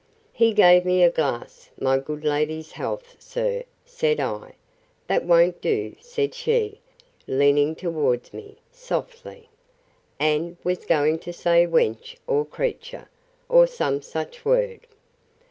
He gave me a glass: My good lady's health, sir, said I.—That won't do, said she, leaning towards me, softly: and was going to say wench, or creature, or some such word.